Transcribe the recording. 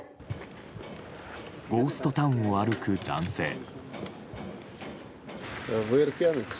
ゴーストタウンを歩く男性。